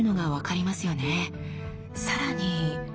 さらに。